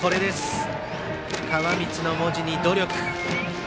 川満の文字に努力。